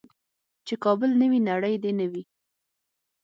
چې کابل نه وي نړۍ دې نه وي.